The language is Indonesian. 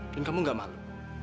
dan kamu gak malu